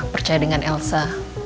percaya dengan elsa